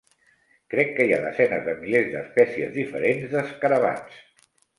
Crec que hi ha desenes de milers d'espècies diferents d'escarabats